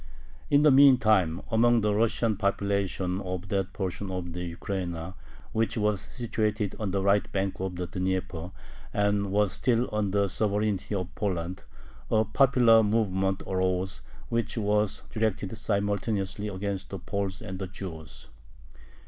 In the meantime, among the Russian population of that portion of the Ukraina which was situated on the right bank of the Dnieper, and was still under the sovereignty of Poland, a popular movement arose, which was directed simultaneously against the Poles and the Jews.